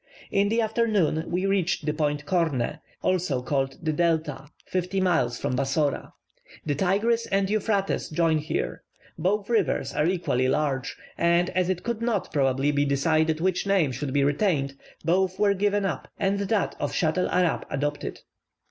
In the afternoon we reached the point Korne, also called the Delta (fifty miles from Bassora). The Tigris and Euphrates join here. Both rivers are equally large, and as it could not, probably, be decided which name should be retained, both were given up, and that of Schatel Arab adopted.